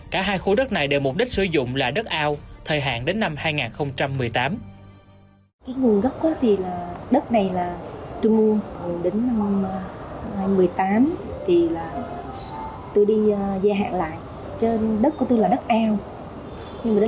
cả hai khu đất này đều mục đích sử dụng là đất ao thời hạn đến năm hai nghìn một mươi tám